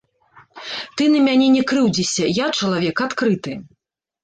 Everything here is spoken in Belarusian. Ты на мяне не крыўдзіся, я чалавек адкрыты.